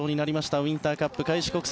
ウインターカップ、開志国際。